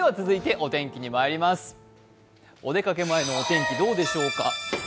お出かけ前のお天気、どうでしょうか？